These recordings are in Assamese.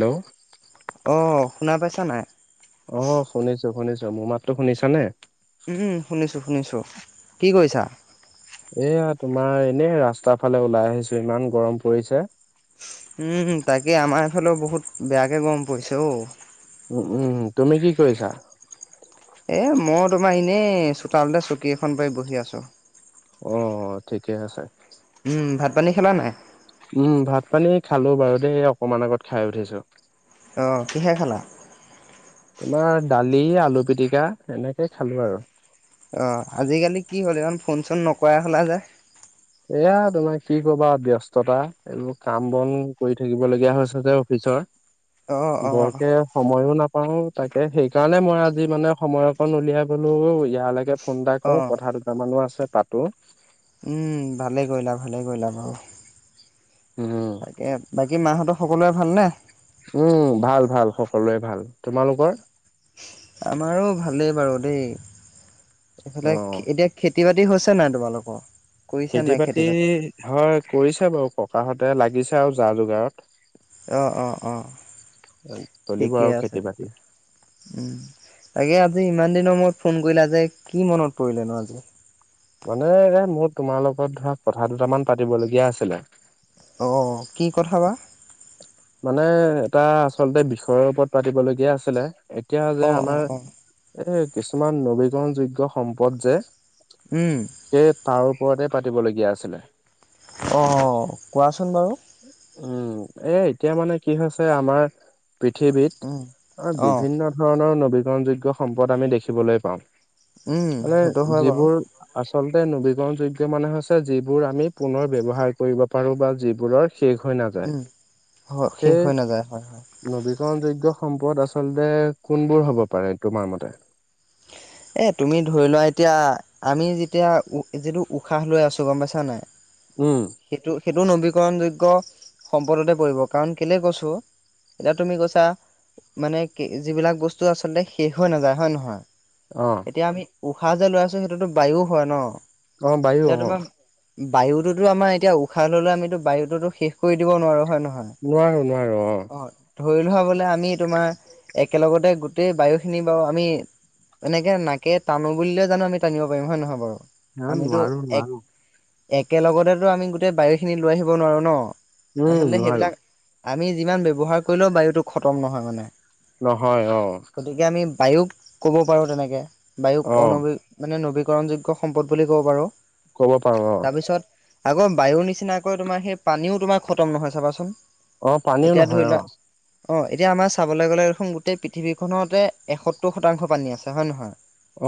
হেল্ল' অ শুনা পাইছা নাই। অ শুনিছো শুনিছো মোৰ মাততো শুনিছা নে। উম শুনিছো শুনিছো কি কৰিছা? এয়া তোমাৰ এনে ৰাস্তাৰ ফালে ওলাই আহিছো ইমান গৰম পৰিছে। উম তাকে আমাৰ এইফালেও বহুত বেয়াকে গৰম পৰিছে অঔ। উম উম তুমি কি কৰিছা? এ মই তোমাৰ এনেই চোতালতে চকী এখন লৈ বহি আছো অ অ ঠিকে আছে। উম ভাত পানী খালা নাই? উম ভাত পানী খালো বাৰু দেই অকমান আগত খাই উঠিছো। অঁ কিহে খালা? তোমাৰ দালি, আলু পিটিকা, এনেকে খালো আৰু অ আজিকালি কি হ'ল ইমান ফোন চোন নকৰাই হলা যে। এয়া তোমাৰ কি কবা ব্যস্ততা এইবোৰ কাম বন কৰি থাকিব লগীয়া হৈছে যে অফিচ অ পি অ বৰকে সময়ো নাপ। পাও তাকে সেইকাৰণে মই আজি মানে সময় অকণ উলিয়াই বলো ইয়ালৈকে। ফোন এটা অ কৰোঁ কথা দুটামানো আছে পাতো উম ভালে কৰিলা ভালে কৰিলা বাৰু উম তাকে ব। বাকি মাহঁতৰ সকলোৰে ভালনে? উম ভাল ভাল সকলোৱে ভাল তোমালোকৰ। আমাৰো ভালেই বাৰু দেই অ এইফালে এতিয়া খেতি খেতি বাতি হৈছে নাই তোমালোকৰ। খেতি বাতি হয় কৰিছে বাৰু ককাহতে লাগিছে আৰু যা যোগাৰত। অঁ অ অঁ। চলিব ঠিকে আৰু আছে খেতি বাতি তেতিয়া উম তাকে। আজি ইমান দিনৰ মূৰত ফোন কৰিলা যে কি মনত পৰিলে ন আজি। মানে এ মোৰ তোমাৰ লগত ধৰা কথা দুটামান পাতিবলগীয়া আছিলে। অঁ কি কথা বা। মানে এটা আচলতে বিষয়ৰ ওপৰত পাতিবলগীয়া আছিলে। এতিয়া যে অ', অ', অ', আমাৰ এই কিছুমান নবীকৰণ যোগ্য সম্পদ যে উম। সেই তাৰ ওপৰতে পাতিবলগীয়া আছিলে। অঁ কোৱাচোন বাৰু উম এ এতিয়া মানে কি হৈছে আমাৰ পৃথিৱীত উম, অ', বিভিন্ন ধৰণৰ নৱীকৰণ যোগ্য সম্পদ আমি দেখিবলৈ পাওঁ। উম, মানে সেইটো হয় বাৰু। যিবোৰ আচল তে নবীকৰণযোগ্য মানে হৈছে যিবোৰ আমি পুনৰ ব্যৱহাৰ কৰিব পাৰোঁ বা যিবোৰৰ শেষ হৈ নাযায় উম, হয় শেষ সেইয় হৈ নাযায় হয়, হয়। নবীকৰণযোগ্য। সম্পদ আচলতে কোনবোৰ হ'ব পাৰে তোমাৰ মতে? এ তুমি ধৰি লোৱা এতিয়া আমি যেতিয়া উ যিটো উশাহ লৈ আছো গম পাইছা নাই। উম। সেইটো সেইটো নবীকৰণযোগ্য। সম্পদতে পৰিব কাৰণ কেলে কৈছোঁ এতিয়া তুমি কৈছা মানে কি যিবিলাক বস্তু আচলতে শেষ হৈ নাযায় হয়ে নহয়। অ', এতিয়া আমি উশাহ যে লৈ আছো সেইটোতো বায়ু, হয় ন অ বায়ু, অ বায়ুততো আমাৰ এতিয়া উশাহ ললে আমিতো বায়ুতো শেষ কৰি দিব নোৱাৰো হয় নহয়। নোৱাৰো নোৱাৰো অ। ধৰি লোৱা বলে আমি তোমাৰ একেলগতে গোটেই বায়ুখিনি বাৰু আমি। এনেকে নাকে টানো বুলিলে জানো আমি টানিব পাৰিম জানো হয় নে নহয় বাৰু আমিতো নোৱাৰো এক নোৱাৰো। একেলগতেতো আমি গোটেই বাৰীখিনি লৈ আহিব নোৱাৰোঁ ন উম, আচলতে নোৱাৰো সেইবিলাক আমি যিমান ব্যৱহাৰ কৰিলেও বায়ুতো, খতম নহয় মানে নহয় অ গতিকে আমি বায়ুক ক'ব পাৰোঁ তেনেকৈ বায়ুক অ', অনবী মানে নৱীকৰণযোগ্য সম্পদ বুলি ক'ব পাৰোঁ। কব পাৰো। তাৰপিছত আকৌ বায়ুৰ নিচিনাকৈ তোমাৰ সেই পানীও তোমাৰ খতম নহয় চাবাচোন- অ পানীও এতিয়া ধৰি নহয় লোৱা অ অ এতিয়া আমাৰ চাবলৈ গ'লে দেখোন গোটেই পৃথিৱীখনতে এসত্তৰ শতাংশ পানী আছে হয় নে নহয়।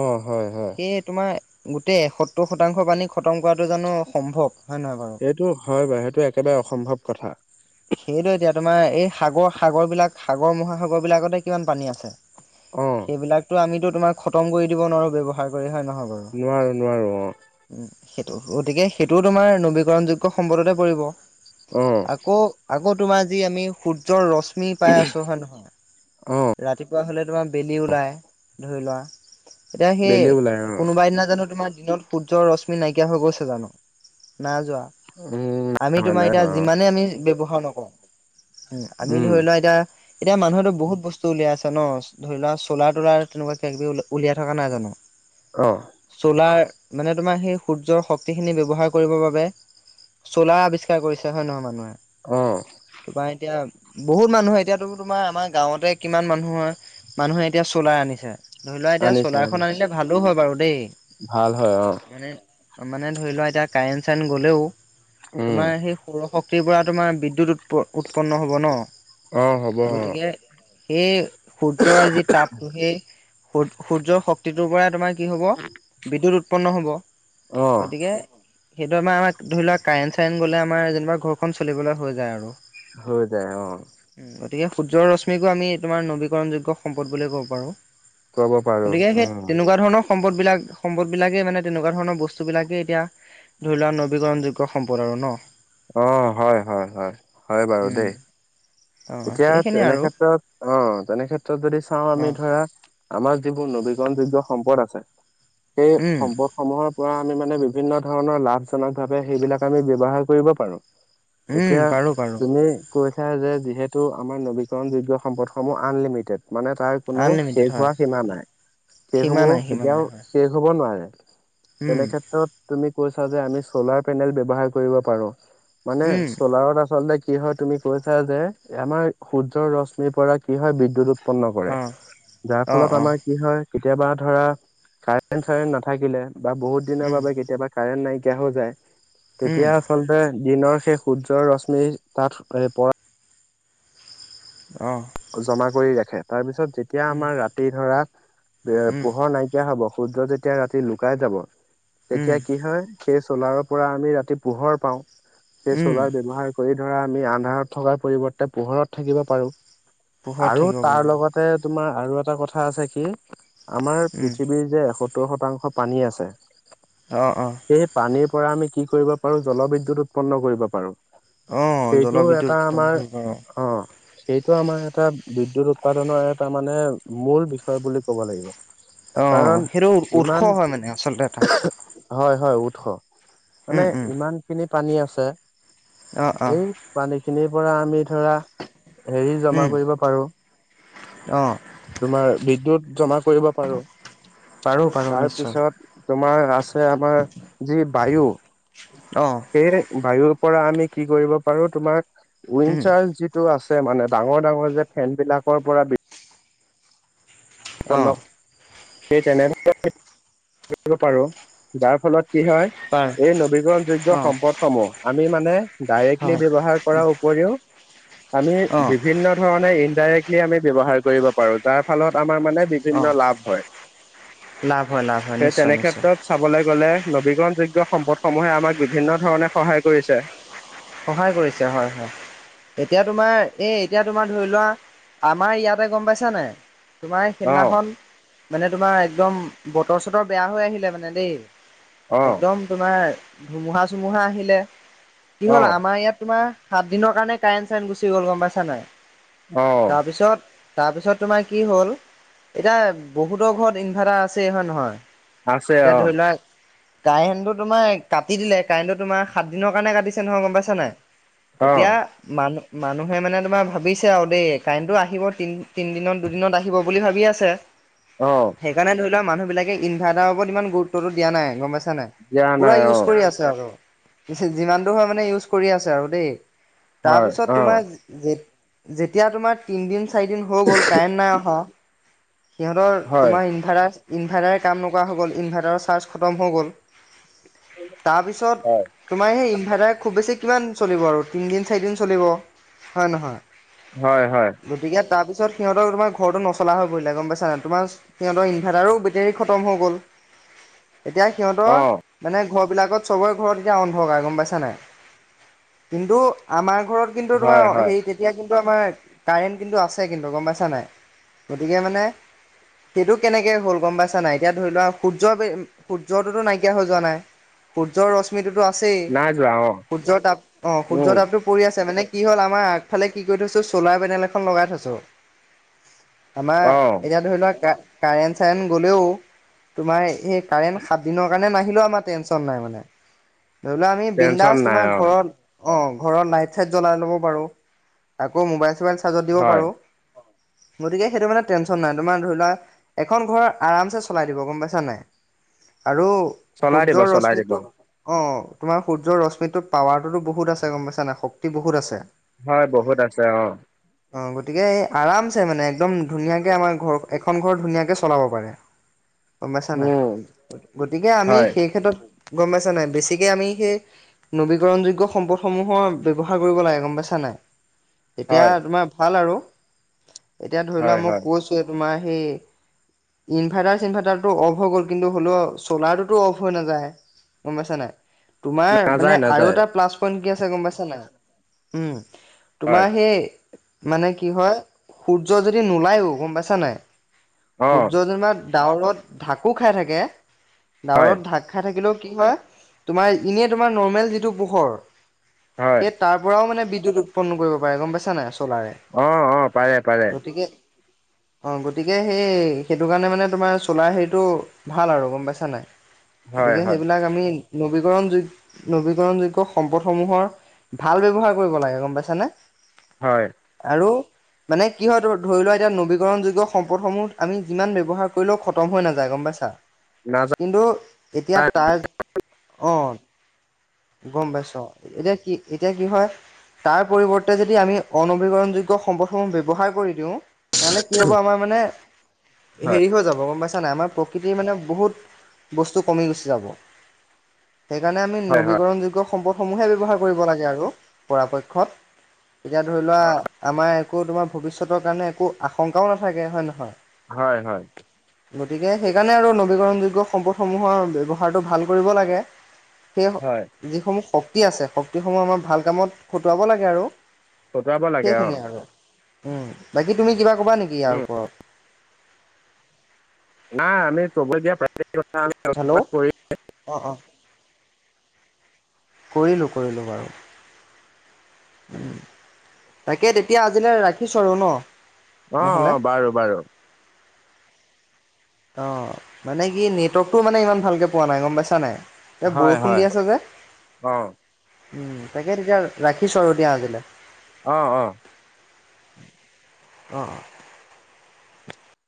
অহ হয় হয় সেয়ে তোমাৰ গোটেই সত্তৰ শতাংশ পানী খতম কৰাটো জানো সম্ভৱ হয় নহয় বাৰু সেইটো হয় বাৰু সেইটো একেবাৰে অসম্ভৱ কথা সেইটোৱে এতিয়া তোমাৰ এই সাগৰ সাগৰ বিলাক সাগৰ মহাসাগৰ বিলাকতে কিমান পানী আছে। অ', সেইবিলাকতো আমিতো তোমাক খতম কৰি দিব নোৱাৰো ব ব্যৱহাৰ কৰি হয় নে নহয়। বাৰু নোৱাৰো নোৱাৰো অহ সেইটো গতিকে সেইটোও তোমাৰ নবীকৰণ যোগ্য সম্পদতে পৰিব অ', আকৌ আকৌ- তোমাৰ যি আমি সূৰ্যৰ, ৰশ্মি পাই আছো হয়ে নহয়। অ', ৰাতিপুৱা হলে তোমাৰ বেলি ওলাই ধৰি লোৱা এতিয়া সেই বেলি ওলাই অ'। কোনোবা দিনা জানো তোমাৰ- দিনত সূৰ্যৰ, ৰশ্মি নাইকিয়া হৈ গৈছে জানো না যোৱা। উম, আমি হোৱা তোমাৰ নাই হোৱা এতিয়া অ', যিমানে আমি ব্যৱহাৰ নকৰো। উম আমি উম, ধৰি লোৱা এতিয়া এতিয়া মানুহেতো বহুত বস্তু উলিয়াই আছে ন ধৰি লোৱা চ'লাৰ তলাৰ তেনেকুৱা কিবি উলিয়াই থকা নাই জানো অহ তোলাৰ মানে তোমাৰ সেই সূৰ্যৰ শক্তিখিনি ব্যৱহাৰ কৰিবৰ বাবে- চলাৰ আৱিষ্কাৰ কৰিছে হয় নহয় মানুহে অ', তোমাৰ এতিয়া বহুত মানুহে এতিয়াতো তোমাৰ আমাৰ গাঁৱতে কিমান মানুহৰ মানুহে এতিয়া চলাৰ আনিছে। ধৰি লোৱা এতিয়া আনিছে চলাৰখন আনিছে আনিলে ভালো হয় বাৰু দেই ভাল হয় অ', মানে ধৰি লোৱা এতিয়া কাৰেণ্ট চাৰেণ্ট গ'লেও উম, তোমাৰ সেই সৰশ- শক্তিৰ পৰা তোমাৰ বিদ্যুৎ উৎপ উৎপন্ন হ'ব ন অ হ'ব অ গতিকে সেই সূৰ্যৰ যি তাপটো সেই সূৰ্যৰ শক্তিটোৰ পৰা তোমাৰ কি হ'ব বিদ্যুৎ উৎপন্ন হ'ব অ', গতিকে সেইটো আমাৰ আমাক ধৰি লোৱা কাৰেন চাইন গ'লে আমাৰ যেনিবা ঘৰখন চলিবলৈ হৈ যায়। আৰু হৈ যায়। অ গতিকে সূৰ্যৰ ৰশ্মিকো আমি তোমাৰ নবীকৰণযোগ্য সম্পদ বুলি কব পাৰোঁ। ক'ব পাৰো গতিকে সেই উম, তেনেকুৱা ধৰণৰ সম্পদ বিলাক সম্পদ বিলাকে মানে তেনেকুৱা ধৰণৰ বস্তু বিলাকে এতিয়া। ধৰি লোৱা নবীকৰণযোগ্য সম্পদ আৰু ন। অ', হয়, হয়, হয়, হয় বাৰু উম দেই। অ' এতিয়া সেইখিনিয়ে আৰু তেনেক্ষেত্ৰত, অ', তেনেক্ষেত্ৰত যদি চাওঁ আমি অ' ধৰা আমাৰ যিবোৰ নবিকৰণ যোগ্য সম্পদ আছে, সেই উম সম্পদ সমূহৰ পৰা আমি মানে বিভিন্ন ধৰণৰ লাভজনক ভাৱে সেইবিলাক আমি ব্যৱহাৰ কৰিব পাৰোঁ। উম এতিয়া পাৰোঁ পাৰোঁ তুমি কৈছ যে যিহেতু আমাৰ নবিকৰণ যোগ্য সম্পদসমূহ আনলিমিটেড মানে তাৰ কোনো আনলিমিটেড শেষ হয় হোৱা সীমা নাই, সীমা শেষসমূহ নাই সীমা নাই কেতিয়াও হয় শেষ হব নোৱাৰে। উম তেনে ক্ষেত্ৰত তুমি কৈছা যে আমি চলাৰ পেনেল ব্যৱহাৰ কৰিব পাৰোঁ। মানে উম চলাৰত আচলতে কি হয় তুমি কৈছা যে আমাৰ সূৰ্যৰ ৰশ্মিৰ পৰা কি হয় বিদ্যুৎ উৎপন্ন কৰে, অ' যাৰ অ' ফলত অ' আমাৰ কি হয়। কেতিয়াবা ধৰা কাৰেণ্ট-চাৰেণ্ট নাথাকিলে বা বহুত দিনৰ উম বাবে কেতিয়াবা কাৰেণ্ট নাইকিয় তেতিয়া হৈ যায়। উম তেতিয়া আচলতে দিনৰ সেই সূৰ্যৰ ৰশ্মি তাত পৰা অ' জমা কৰি ৰাখে, তাৰপিছত যেতিয়া উম আমাৰ ৰাতি ধৰা তেতিয়া উম পোহৰ নাইকিয়া হব, সূৰ্য যেতিয়া ৰাতি লুকাই যাব, উম তেতিয়া কি হয় সেই চলাৰৰ পৰা আমি ৰাতি পোহৰ পাওঁ, সেই উম চ'লাৰ ব্যৱহাৰ কৰি ধৰা আমি আন্ধাৰত থকাৰ পৰিৱৰ্তে পোহৰত থাকিব পাৰোঁ। পোহৰত আৰু থাকিব তাৰ পাৰোঁ লগতে তোমাৰ আৰু এটা কথা আছে কি আমাৰ উম পৃথিৱীৰ যে এসত্তৰ শতাংশ পানী আছে অ' অ' সেই পানীৰ পৰা আমি কি কৰিব পাৰোঁ জলবিদ্যুত উৎপন্ন কৰিব পাৰোঁ। অ' সেইটো জলবিদ্যুৎ এটা উৎপন্ন আমাৰ কৰিব পাৰোঁ অ সেইটো আমাৰ এটা- বিদ্যৎ উৎপাদনৰ এটা মানে মূল বিষয় বুলি ক'ব লাগিব। অ', কাৰণ সেইটো উৎস ইমান হয় মানে আচলতে এটা। হয়, হয়, উৎস মানে উম উম ইমান খিনি পানী আছে। অ অ এই পানী খিনিৰ পৰা আমি ধৰা, হেৰি জমা উম কৰিব পাৰোঁ। অ তোমাৰ বিদ্যুৎ জমা কৰিব পাৰোঁ। পাৰো পাৰো নিশ্চয় তাৰপিছত তোমাৰ আছে আমাৰ যি বায়ু, অ সেই বায়ুৰ পৰা আমি কি কৰিব পাৰোঁ তোমাক উম উইচাৰ যিটো আছে মানে ডাঙৰ-ডাঙৰ যে ফেন বিলাকৰ পৰা বিপন্ন অ'। সেই তেনেধৰণৰ [inaudible] কৰিব পাৰোঁ, যাৰ ফলত কি পাৰ হয় এই নবীকৰণ যোগ্য অ সম্পদ সমূহ আমি মানে ডাইৰেক্টলি হয় ব্যৱহাৰ কৰাৰ উপৰিও আমি অ বিভিন্ন ধৰণে ইনডাইৰেক্টলি আমি ব্যৱহাৰ কৰিব পাৰোঁ, যাৰ ফলত আমাৰ মানে অ বিভিন্ন লাভ হয়। লাভ হয় লাভ হয় সেই নিশ্চয় তেনে নিশ্চয় কেত্ৰত চাবলৈ গ'লে নবীকৰণ যোগ্য সম্পদসমূহে আমাক বিভিন্ন ধৰণে সহায় কৰিছে। সহায় কৰিছে হয়, হয়। এতিয়া তোমাৰ এ এতিয়া তোমাৰ ধৰি লুৱা, আমাৰ ইয়াতে গম পাইছা নাই? তোমাৰ অ', সেইদিনাখন মানে তোমাৰ একদম বতৰ-চতৰ বেয়া হৈ আহিলে মানে দেই। অ', একদম তোমাৰ ধুমুহা-চুমুহা আহিলে। কি হ'ল অ', আমাৰ ইয়াত তোমাৰ সাত দিনৰ কাৰণে কাৰেণ্ট চাৰেণ্ট গুচি গ'ল গম পাইছা নাই? অ', তাৰপিছত তাৰপিছত তোমাৰ কি হ'ল এতিয়া বহুতৰ ঘৰত ইনভাৰ্টাৰ আছেই হয় নহয়? আছে এতিয়া অ'। ধৰি লোৱা কাৰেণ্টটো তোমাৰ কাটি দিলে, কাৰেণ্টটো তোমাৰ সাত দিনৰ কাৰণে কাটিছে নহয় গম পাইছা নাই? অ', এতিয়া মানুহ মানুহে মানে তোমাৰ ভাবিছে আৰু দেই কাৰেণ্টটো আহিব তি তিনিদিনত দুদিনত আহিব বুলি ভাবি আছে। অ'। সেইকাৰণে ধৰি লওক মানুহ বিলাকে ইনভাৰ্টাৰৰ ওপৰত ইমান গুৰুত্বতটো দিয়া নাই গম পাইছো দিয়া পোৰা নাই ইউজ অ', কৰি আছে আৰু, যিমান দূৰ হয় মানে ইউজ কৰি আছে আৰু দেই। হয়, তাৰপিছত তোমাৰ অ', যেতিয়া তোমাৰ তিন দিন। চাৰি দিন হৈ গ'ল কাৰেণ্ট নাই অহা সিহঁতৰ হয়, তোমাৰ ইনভাৰটাৰ। ইনভাৰ্টাৰে কাম নকৰা হৈ গ'ল ইনভাৰ্টাৰৰ চাৰ্জ খতম হৈ গ'ল। তাৰপিছত হয়, তোমাৰ সেই। ইনভাৰ্টাৰ খুব বেছি কিমান চলিব আৰু তিনিদিন চাৰিদিন চলিব হয় নহয়‌। হয় হয়। তাৰ পিছত সিহঁতৰ তোমাৰ ঘৰটো নচলা হৈ পৰিলে গম পাইছা তোমাৰ সিহঁতৰ ইনভাৰটাৰো বেটেৰী খতম হৈ গ'ল। [unintelligible] এতিয়া সিহঁতৰ অ'। মানে ঘৰ বিলাকত চবৰে ঘৰত এতিয়া অন্ধকাৰ গম পাই। বুজা কিন্তু আমাৰ ঘৰত কিন্তু হয়, তোমাৰ হয়, হেৰি তেতিয়া কি। কিন্তু আমাৰ কাৰেণ্ট কিন্তু আছে কিন্তু গম পাইছা নাই গতিকে মানে। সেইটো কেনেকে হ'ল গম পাইছা নাই এতিয়া ধৰি লোৱা সূৰ্যৰ সূৰ্যটোতো নাইকিয়া হৈ যোৱা নাই। সূৰ্যৰ ৰশ্মিটোতো আছেই নাই যোৱা অ', সূৰ্যৰ তাপ অ সূৰ্যৰ উম, তাপটো পৰি আছে মানে। কি হ'ল আমাৰ আগফালে কি কৰি থৈছোঁ চ'লাৰ পেনেল এখন লগাই থৈছোঁ। আমাৰ অ', এতিয়া ধৰি লোৱা কা কাৰেন চাৰেন গলেও তোমাৰ হৈ। কাৰেণ্ট সাত দিনৰ কাৰণে নাহিলেও আমাৰ টেনচন নাই মানে ধৰি লোৱা আমি। টেনচন বিন্দাস নাই তোমাৰ অ', ঘৰত। অঁ ঘৰৰ লাইট চাইট জ্বলাই ল'ব পাৰোঁ আকৌ মোবাইল চবাইল চাৰ্জত দিব হয়। পাৰোঁ। গতিকে সেইটো মানে টেনশচন নাই তোমাৰ ধৰি লোৱা এখন ঘৰ আৰামছে চলাই দিব গম পাইছা নাই। আৰু চলাই দিব, সূৰ্যৰ চলাই দিব, ৰশ্মিতটো অ। তোমাৰ সূৰ্যৰ ৰশ্মিতটোৰ পাৱাৰ তো বহুত আছে গম পাইছ নে শক্তি বহুত আছে। হয় বহুত আছে অ'। অ', গতিকে এই আৰামছে মানে একদম ধুনীয়াকে আমাৰ ঘৰ এখন ঘৰ ধুনীয়াকে চলাব পাৰে গম পাইছা নাই উম, গতিকে আমি হয়, সেই ক্ষেত্ৰত। গম পাইছা নাই বেছিকে আমি সেই। নবীকৰণ যোগ্য সম্পদসমূহৰ ব্য্য়ৱহাৰ কৰিব লাগে গম পাইছা নাই। এতিয়া হয়। তোমাৰ ভাল আৰু। এতিয়া ধৰি লোৱা হয় মই হয় কৈছোে তোমাৰ সেই। ইনভাৰ্টাৰ চিনভাৰ্টাৰটো অফ হৈ গ'ল কিন্তু হ'লেও চ'লাৰ টোতো অফ হৈ নাযায়। গম পাইছা নাই তোমাৰ নাযায় মানে আৰু নাযায়। এটা প্লাছ পইন্ট কি আছে গম পাইছা নাই উ। হয় তোমাৰ সেই মানে কি হয় সূৰ্য যদি নোলায়ও গম পাইছা নাই। অ সূৰ্য যেনিবা ডাৱৰত ঢাকো খাই থাকে হয় ডাৱৰত ঢাক খাই থাকিলেও। কি হয় তোমাৰ এনেই তোমাৰ নৰমেল যিটো পোহৰ। হয় উৎন্ন কৰিব পাৰে গম পাইচা নাই। চ'লাৰে অ অ পাৰে পাৰে। গতিকে অ গতিকে সেই সেইটো কাৰণে মানে তোমাৰ চোলা হেৰিতটো ভাল আৰু গম পাইছা নাই। হয় গতিকে হয় সেইবিলাক আমি নবী। নৱীকৰণ যোগ্য সম্পদসমূহৰ ভাল ব্যৱহাৰ কৰিব লাগে গম পাইছানে। হয় আৰু মানে কি হয় ধৰি লোৱা এতিয়া নবীকৰণ যোগ্য সম্পদসমূহ আমি যিমান ব্যৱহাৰ কৰিলেও খতম হৈ নাযায় গম পাইছা। নাযায় কিন্তু এতিয়া তাৰ অঁ। গম পাইছ এতিয়া কি এতিয়া কি হয়। তাৰ পৰিৱৰ্তে যদি আমি অনবীকৰণ যোগ্য সম্পদসমূহ ব্যৱহাৰ কৰি দিওঁ। তেনেহ'লে কি হ'ব আমাৰ মানে হয় হেৰি হৈ যাব গম পাইছা। ন আমাৰ প্ৰকৃতিৰ মানে বহুত বস্তু কমি গুচি যাব। সেইকাৰে আমি হয় নবী। হয় সম্পদসমূহে ব্যৱহাৰ কৰিব লাগে আৰু পৰাপক্ষত। এতিয়া ধৰি লোৱা আমাৰ একো তোমাৰ ভৱিষ্যতৰ কাৰণে একো আশংকাও নাথাকে হয় নে নহয়? হয় হয় গতিকে সেইকাৰণে আৰু নবীকৰণযোগ্য। সম্পদসমূহৰ ব্যৱহাৰটো ভাল কৰিব লাগে। সেই হয় যিসমূহ শক্তি আছে শক্তিসমূহ আমাৰ ভাল কামত খটুৱাব লাগে আৰু খটুৱাব লাগে অ সেইখিনিয়ে আৰু উম বাকী তুমি কিবা কবা নেকি ইয়াৰ উম ওপৰত নাই আমি চব দিয়া কথা হেল্ল' আলোচনা অ', কৰি অ', কৰিলোঁ কৰিলোঁ বাৰু তাকে তেতিয়া আজিলৈ ৰাখিছো আৰু ন অ অ নহ'লে। বাৰু বাৰু অ মানে কি নেটৱৰ্কটো মানে ইমান ভালকে পোৱা নাই গম পাইছা নাই এই হয় বৰষুণ হয় দি আছে যে অ উম তাকে তেতিয়া ৰাখিচো আৰু দিয়া আজিলে অ অ অ